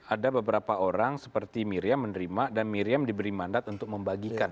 ada beberapa orang seperti miriam menerima dan miriam diberi mandat untuk membagikan